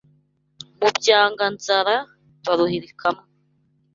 Mu Byanga nzara baruhirika mwo